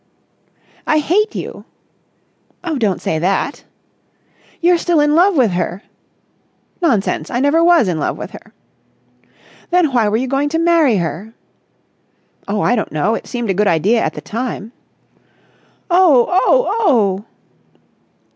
"I hate you!" "Oh, don't say that!" "You're still in love with her!" "Nonsense! I never was in love with her." "Then why were you going to marry her?" "Oh, I don't know. It seemed a good idea at the time." "Oh! Oh! Oh!"